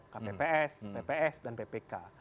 kpps pps dan ppk